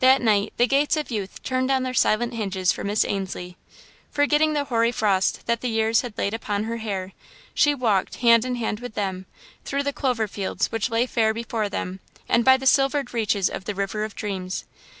That night, the gates of Youth turned on their silent hinges for Miss Ainslie. Forgetting the hoary frost that the years had laid upon her hair, she walked, hand in hand with them, through the clover fields which lay fair before them and by the silvered reaches of the River of Dreams.